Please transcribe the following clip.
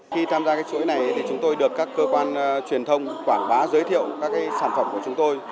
khi tham gia chuỗi này chúng tôi được các cơ quan truyền thông quảng bá giới thiệu các sản phẩm của chúng tôi